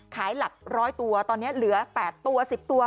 ขายหลัก๑๐๐ตัวตอนนี้เหลือ๘ตัว๑๐ตัว